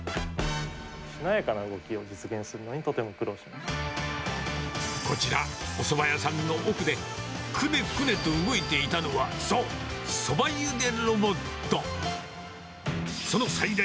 しなやかな動きを実現するのこちら、おそば屋さんの奥で、くねくねと動いていたのは、そう、そばゆでロボット。